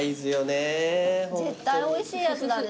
絶対おいしいやつだね。